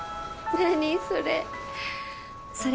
何それ？